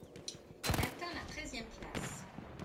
Il atteint la treizième place.